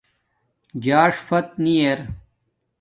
ژݳݽ فت نی ار